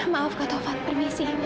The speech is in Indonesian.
maaf kak tovan permisi